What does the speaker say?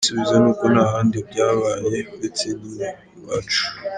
Igisubuzo ni uko nta handi byabaye, uretse nyine iwacu!